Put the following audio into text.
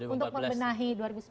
untuk membenahi dua ribu sembilan belas